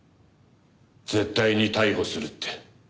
絶対に逮捕するって。